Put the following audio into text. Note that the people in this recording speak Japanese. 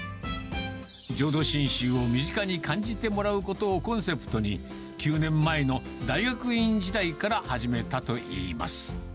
浄土真宗を身近に感じてもらうことをコンセプトに、９年前の大学院時代から始めたといいます。